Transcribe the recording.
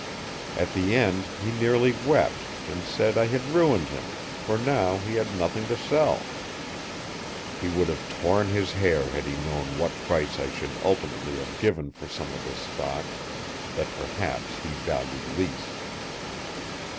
At the end he nearly wept, and said I had ruined him; for now he had nothing to sell. He would have torn his hair had he known what price I should ultimately have given for some of his stock, that perhaps he valued least.